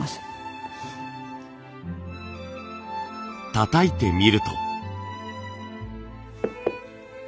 たたいてみると。